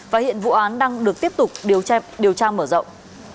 và hiện vụ án đang được tiếp tục điều tra mở rộng